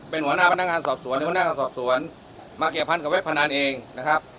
เป็นหัวหน้าพนักงานสอบสวนหรือพนักงานสอบสวนมาเกี่ยวพันกับเว็บพนันเองนะครับ